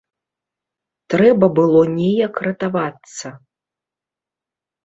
Трэба было неяк ратавацца.